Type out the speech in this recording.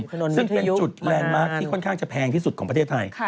ซึ่งเป็นจุดแลนด์มาร์คที่ค่อนข้างจะแพงที่สุดของประเทศไทย